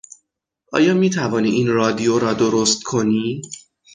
آیا میتوانی این رادیو را درست کنی؟